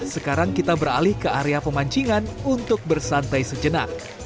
sekarang kita beralih ke area pemancingan untuk bersantai sejenak